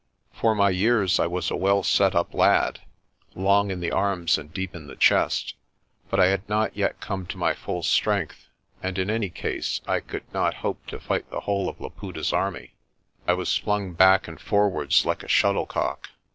For my years I was a well set up lad, long in the arms and deep in the chest. But I had not yet come to my full strength, and in any case I could not hope to fight the whole of Laputa's army. I was flung back and forwards like a shuttlecock.